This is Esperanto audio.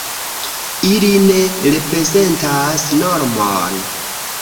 Ili ne reprezentas normon.